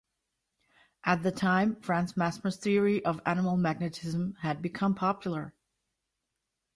At the time, Franz Mesmer's theory of animal magnetism had become popular.